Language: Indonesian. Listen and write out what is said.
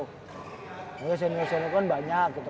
maksudnya senior senior kan banyak gitu